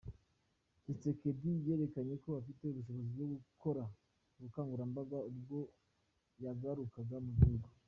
Tshisekedi yerekanye ko afite ubushobozi bwo gukora ubukangurambaga ubwo yagarukaga mu gihugu.